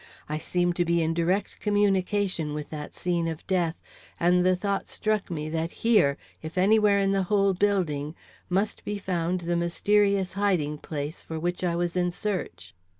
I seemed to be in direct communication with that scene of death; and the thought struck me that here, if anywhere in the whole building, must be found the mysterious hiding place for which I was in search.